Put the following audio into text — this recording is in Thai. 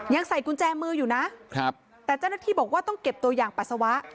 ยังใส่กุญแจมืออยู่นะครับแต่เจ้าหน้าที่บอกว่าต้องเก็บตัวอย่างปัสสาวะ